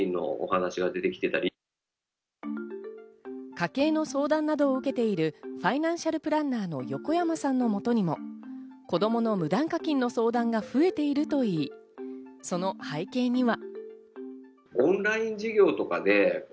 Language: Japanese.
家計の相談などを受けているファイナンシャルプランナーの横山さんの元にも子供の無断課金の相談が増えているといいその背景には。